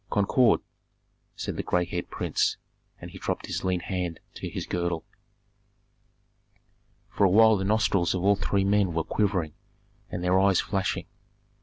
Concord!" said the gray headed prince; and he dropped his lean hand to his girdle. For a while the nostrils of all three men were quivering and their eyes flashing.